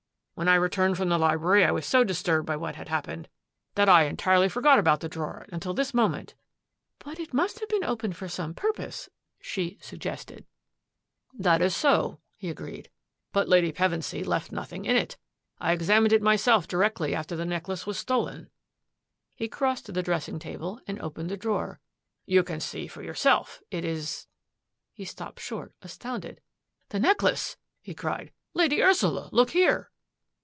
When I returned from the library I was so disturbed by what had happened that I entirely forgot about the drawer until this moment." " But it must have been opened for some pur pose," she suggested. 110 THAT AFFAIR AT THE MANOR " That is so," he agreed, " but Lady Pevensy left nothing in it. I examined it myself directly after the necklace was stolen." He crossed to the dressing table and opened the drawer. " You can see for yourself it is —^" He stopped short, as tounded. " The necklace !" he cried. " Lady Ursula, look here